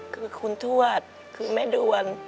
คือคุณทวดคือแม่ดวน